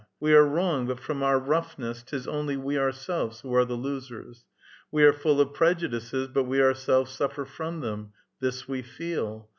We are rough, but from our roughness 'tis only we ourselves who are the losers. . We are full of prejudices, but we our selves suffer from them ; this we feel.